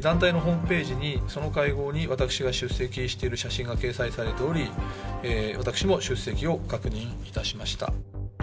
団体のホームページに、その会合に私が出席している写真が掲載されており、私も出席を確認いたしました。